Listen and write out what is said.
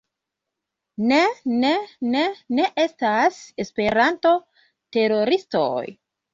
Ne, ne, ne, ne estas Esperanto-teroristoj